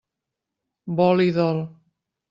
Vol i dol.